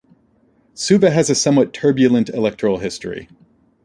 Suva has had a somewhat turbulent electoral history.